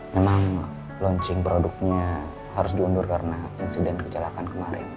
memang launching produknya harus diundur karena insiden kecelakaan kemarin